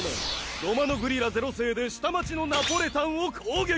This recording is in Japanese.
ロマノグリラ０世で下町のナポレたんを攻撃。